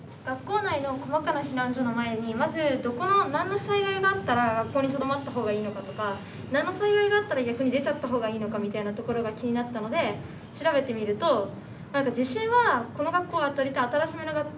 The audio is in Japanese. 学校内の細かな避難所の前にまずどこの何の災害があったら学校にとどまった方がいいのかとか何の災害があったら逆に出ちゃった方がいいのかみたいなところが気になったので調べてみると地震はこの学校は割と新しめの学校で